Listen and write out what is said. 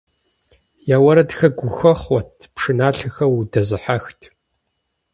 Я уэрэдхэр гухэхъуэт, пшыналъэхэр удэзыхьэхт.